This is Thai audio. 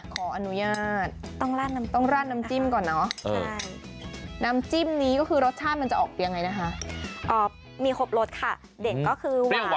ขออนุญาตต้องราดน้ำจิ้มก่อนเนาะน้ำจิ้มนี้รสชาติมันจะออกเปรียงไงนะคะ